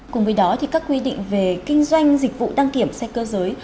cùng với đó các quy định về kinh doanh dịch vụ đăng kiểm xe cơ giới